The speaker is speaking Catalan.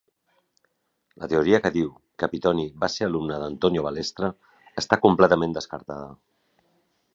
La teoria que diu que Pittoni va ser alumne d'Antonio Balestra està completament descartada.